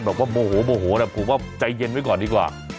บอกว่าโมโหโมโหนะผมว่าใจเย็นไว้ก่อนดีกว่า